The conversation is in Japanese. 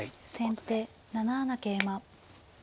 先手７七桂馬。